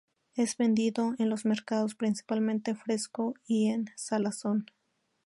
Es vendido en los mercados principalmente fresco y en salazón.